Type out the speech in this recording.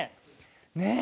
ねえ。